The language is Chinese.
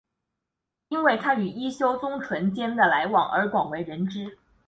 因为他与一休宗纯间的往来而广为人知。